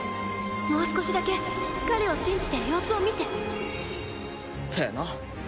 もう少しだけ彼を信じて様子を見ててな。